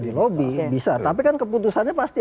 di lobi bisa tapi kan keputusannya pasti